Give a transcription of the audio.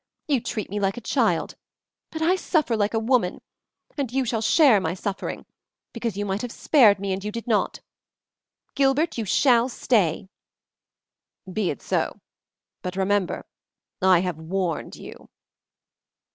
You treat me like a child, but I suffer like a woman, and you shall share my suffering, because you might have spared me, and you did not. Gilbert, you shall stay." "Be it so, but remember I have warned you."